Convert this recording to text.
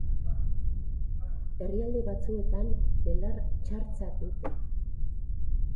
Herrialde batzuetan, belar txartzat dute.